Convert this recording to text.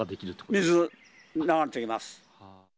水が流れてきます。